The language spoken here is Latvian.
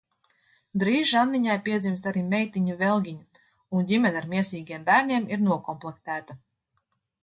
Drīz Žanniņai piedzimst arī meitiņa Velgiņa, un ģimene ar miesīgiem bērniem ir nokomplektēta.